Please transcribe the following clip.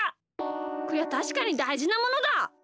こりゃたしかにだいじなものだ！